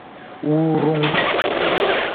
Wuurung.